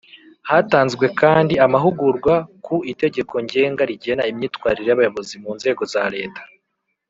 hatanzwe kandi amahugurwa ku itegeko ngenga rigena imyitwarire y’abayobozi mu nzego za leta